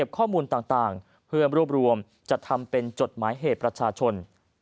ข้อมูลต่างเพื่อรวบรวมจัดทำเป็นจดหมายเหตุประชาชน